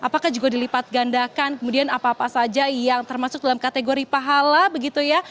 berlipat gandakan kemudian apa apa saja yang termasuk dalam kategori pahala begitu ya